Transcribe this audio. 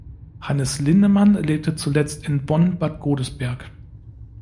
Hannes Lindemann lebte zuletzt in Bonn-Bad Godesberg.